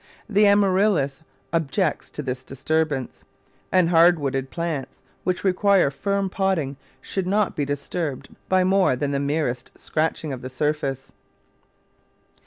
The Amaryllis objects to this disturbance, and hard wooded plants, which require firm potting, should not be disturbed by more than the merest scratching of the surface.